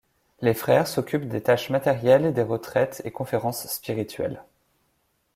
Les Frères s'occupent des tâches matérielles et des retraites et conférences spirituelles.